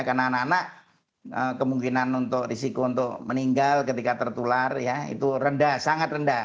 karena anak anak kemungkinan risiko untuk meninggal ketika tertular itu rendah sangat rendah